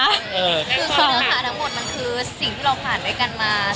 คือเนื้อหาทั้งหมดมันคือสิ่งที่เราผ่านด้วยกันมา